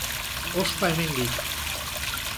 Ospa hemendik!